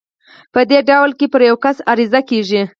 په دې ډول کې پر يو کس عريضه کېږي.